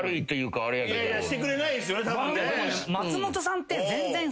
してくれないんすよねたぶんね。